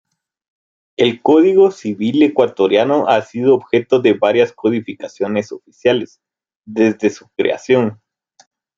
El Código Civil ecuatoriano ha sido objeto de varias codificaciones oficiales, desde su creación.